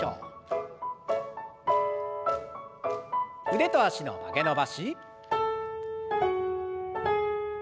腕と脚の曲げ伸ばし。